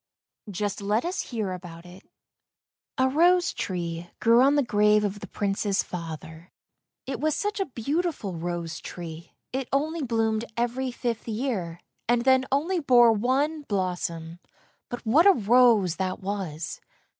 Just let us hear about it. A rose tree grew on the grave of the Prince's father, it was such a beautiful rose tree; it only bloomed every fifth year, and then only bore one blossom; but what a rose that was!